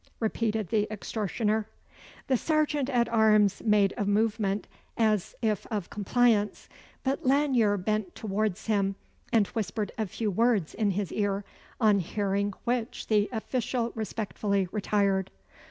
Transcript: repeated the extortioner. The serjeant at arms made a movement, as if of compliance; but Lanyere bent towards him, and whispered a few words in his ear, on hearing which the official respectfully retired.